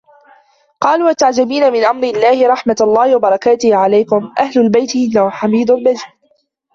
قالوا أتعجبين من أمر الله رحمت الله وبركاته عليكم أهل البيت إنه حميد مجيد